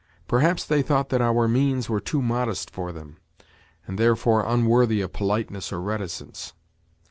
Perhaps they thought that our means were too modest for them, and, therefore, unworthy of politeness or reticence.